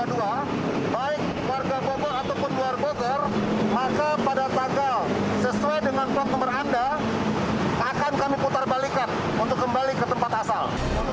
akan kami putar balikan untuk kembali ke tempat asal